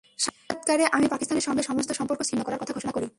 সাক্ষাৎকারে আমি পাকিস্তানের সঙ্গে সমস্ত সম্পর্ক ছিন্ন করার কথা ঘোষণা করি।